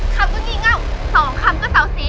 คำก็งี่เง่า๒คำก็เสาสี